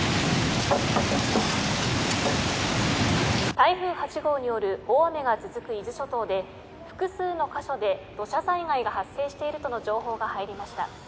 台風８号による大雨が続く伊豆諸島で複数の箇所で土砂災害が発生しているとの情報が入りました。